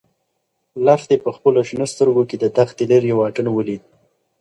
لښتې په خپلو شنه سترګو کې د دښتې لیرې واټن ولید.